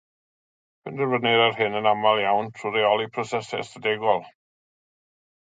Penderfynir ar hyn yn aml iawn drwy reoli prosesau ystadegol.